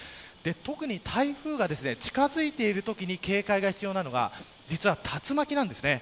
特に、台風が近づいているときに警戒が必要なのが実は竜巻です。